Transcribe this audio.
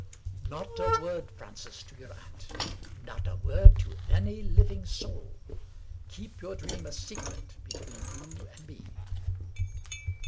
" Not a word, Francis, to your aunt. Not a word to any living soul. Keep your Dream a secret between you and me.